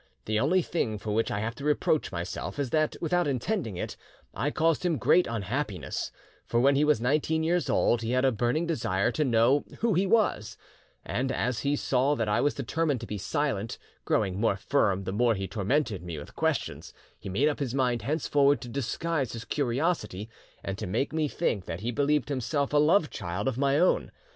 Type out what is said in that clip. The only thing for which I have to reproach myself is that, without intending it, I caused him great unhappiness; for when he was nineteen years old he had a burning desire to know who he was, and as he saw that I was determined to be silent, growing more firm the more he tormented me with questions, he made up his mind henceforward to disguise his curiosity and to make me think that he believed himself a love child of my own.